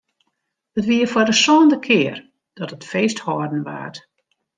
It wie foar de sânde kear dat it feest hâlden waard.